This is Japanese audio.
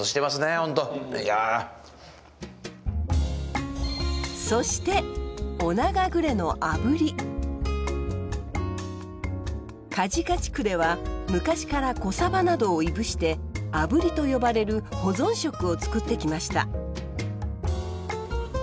やっぱりそして梶賀地区では昔から小サバなどをいぶして「あぶり」と呼ばれる保存食を作ってきました。